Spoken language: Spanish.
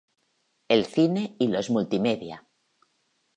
El cine y los multimedia.